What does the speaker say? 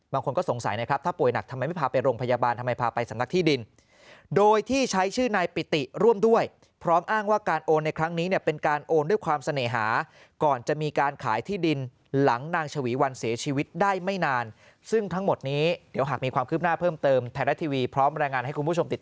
บางคนก็สงสัยนะครับถ้าป่วยหนักทำไมไม่พาไปโรงพยาบาลทำไมพาไปสำนักที่ดินโดยที่ใช้ชื่อนายปิติร่วมด้วยพร้อมอ้างว่าการโอนในครั้งนี้เนี่ยเป็นการโอนด้วยความเสน่หาก่อนจะมีการขายที่ดินหลังนางฉวีวันเสียชีวิตได้ไม่นานซึ่งทั้งหมดนี้เดี๋ยวหากมีความคืบหน้าเพิ่มเติมไทยรัฐทีวีพร้อมรายงานให้คุณผู้ชมติด